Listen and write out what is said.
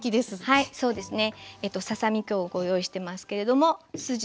はいそうですね。